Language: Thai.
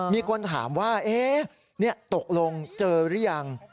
มีคนถามว่าเนี่ยตกลงเจอรึยัง